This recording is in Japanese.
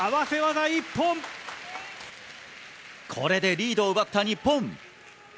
これでリードを奪った日本。